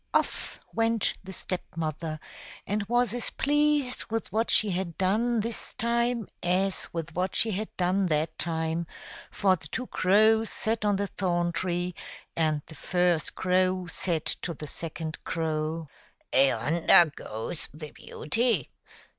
Off went the Step mother, and was as pleased with what she had done this time as with what she had done that time ; for the two crows sat on the thorn tree, and the first crow said to the second crow, " Yonder goes l|e &t(p^moti)er bringet^ 158 THE STEP MOTHER. the beauty."